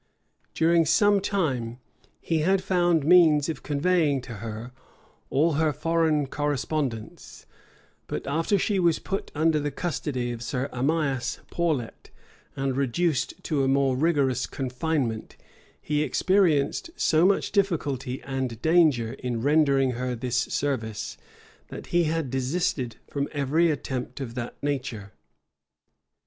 During some time, he had found means of conveying to her all her foreign correspondence; but after she was put under the custody of Sir Amias Paulet, and reduced to a more rigorous confinement, he experienced so much difficulty and danger in rendering her this service, that he had desisted from every attempt of that nature.